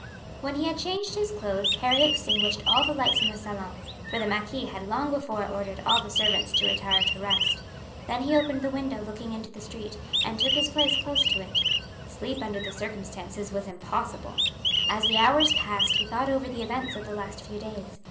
When he had changed his clothes Harry extinguished all the lights in the salon, for the marquis had long before ordered all the servants to retire to rest. Then he opened the window looking into the street and took his place close to it. Sleep under the circumstances was impossible. As the hours passed he thought over the events of the last few days.